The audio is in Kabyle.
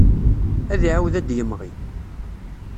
Ad iɛawed ad d-yemɣi.